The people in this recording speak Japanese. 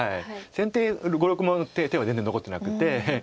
先手５６目の手は全然残ってなくて。